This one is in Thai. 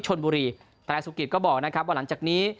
ชนบุรีแต่สุกิจก็บอกนะครับว่าหลังจากนี้